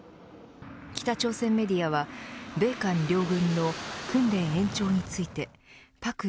北朝鮮メディアは米韓両軍の訓練延長について朴正天